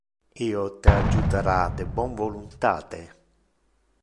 Io te adjutara de bon voluntate.